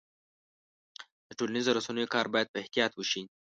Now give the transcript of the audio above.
د ټولنیزو رسنیو کار باید په احتیاط وشي.